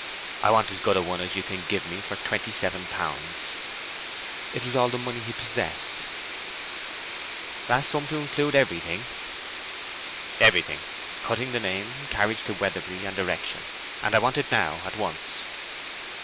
"I want as good a one as you can give me for twenty seven pounds." It was all the money he possessed. "That sum to include everything?" "Everything. Cutting the name, carriage to Weatherbury, and erection. And I want it now, at once."